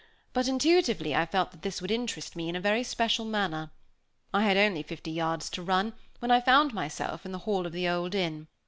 But, intuitively, I felt that this would interest me in a very special manner. I had only fifty yards to run, when I found myself in the hall of the old inn.